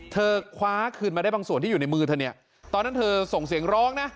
คว้าคืนมาได้บางส่วนที่อยู่ในมือเธอเนี่ยตอนนั้นเธอส่งเสียงร้องนะ